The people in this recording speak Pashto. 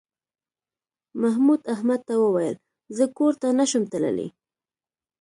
محمود احمد ته وویل زه کور ته نه شم تللی.